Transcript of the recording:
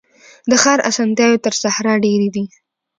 د ښار اسانتیاوي تر صحرا ډیري دي.